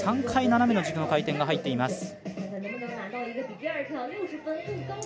３回、斜めの軸の回転が入っています。